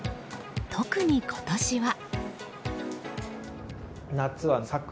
特に今年は。